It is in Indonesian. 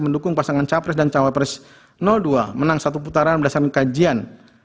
mendukung pasangan capres dan cawapres dua menang satu putaran berdasarkan kajian